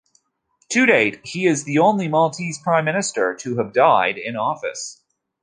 To date, he is the only Maltese prime minister to have died in office.